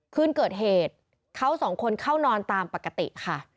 คืนเกิดเหตุเขาสองคนเข้านอนตามปกติค่ะ